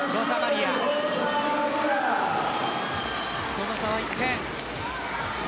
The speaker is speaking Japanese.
その差は１点。